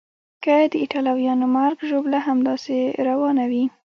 که د ایټالویانو مرګ ژوبله همداسې روانه وي.